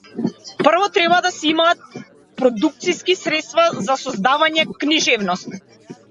Прво треба да се имаат продукциски средства за создавање книжевност.